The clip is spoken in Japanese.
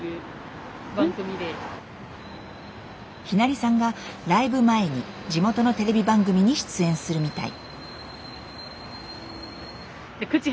ひなりさんがライブ前に地元のテレビ番組に出演するみたい。